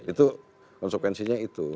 itu konsekuensinya itu